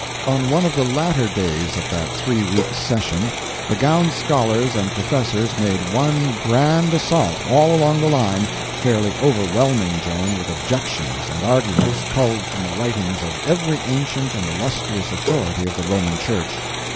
On one of the latter days of that three weeks session the gowned scholars and professors made one grand assault all along the line, fairly overwhelming Joan with objections and arguments culled from the writings of every ancient and illustrious authority of the Roman Church.